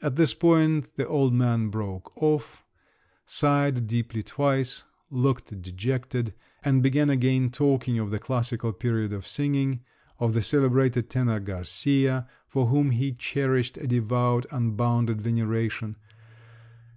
At this point the old man broke off, sighed deeply twice, looked dejected, and began again talking of the classical period of singing, of the celebrated tenor Garcia, for whom he cherished a devout, unbounded veneration.